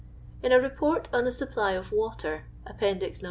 In a Report on the Supply of Water, Appendix No.